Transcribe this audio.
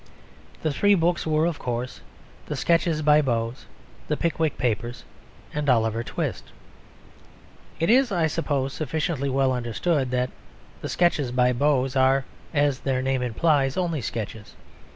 The three books were, of course, the Sketches by Boz, the Pickwick Papers, and Oliver Twist. It is, I suppose, sufficiently well understood that the Sketches by Boz are, as their name implies, only sketches.